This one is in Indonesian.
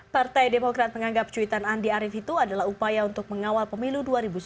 partai demokrat menganggap cuitan andi arief itu adalah upaya untuk mengawal pemilu dua ribu sembilan belas